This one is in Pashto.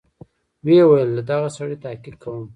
ويې ويل له دغه سړي تحقيق کوم.